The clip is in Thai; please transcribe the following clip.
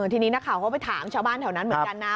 ทีนี้นักข่าวก็ไปถามชาวบ้านแถวนั้นเหมือนกันนะ